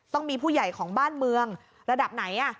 ต้องมีผู้ใหญ่ของบ้านเมืองระดับไหน